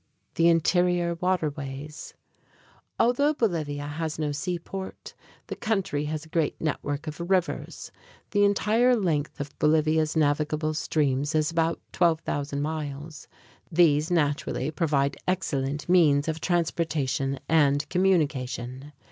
The Interior Waterways Although Bolivia has no seaport, the country has a great network of rivers. The entire length of Bolivia's navigable streams is about 12,000 miles. These naturally provide excellent means of transportation and communication.